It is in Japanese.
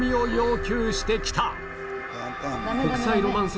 国際ロマンス